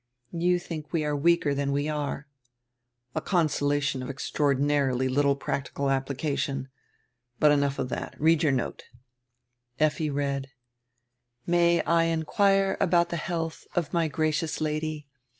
"You think we are weaker than we are." "A consolation of extraordinarily little practical appli cation. But enough of that. Read your note." Effi read: "May I inquire about tire health of my gracious Lady?